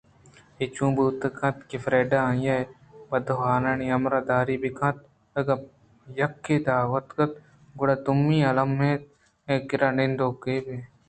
اے چون بوت کنت کہ فریڈا آئی ءِ بدواہانی ہمراہ داری ءَبہ کنت ؟ اگاں یکے اِدا اتکگ گڑا دومی الّمءَ آئی ءِ کِرّا نندوک اِنت